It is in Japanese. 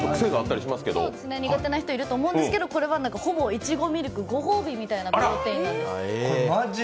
苦手な人がいると思うんですけど、これはほぼいちごミルク、ご褒美みたいなプロテインなんです。